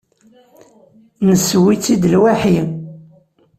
Nesseww-itt-id lwaḥi.